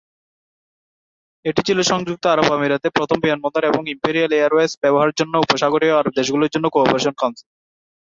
এটি ছিল সংযুক্ত আরব আমিরাতে প্রথম বিমানবন্দর এবং ইম্পেরিয়াল এয়ারওয়েজ ব্যবহারের জন্য উপসাগরীয় আরব দেশগুলির জন্য কোঅপারেশন কাউন্সিল।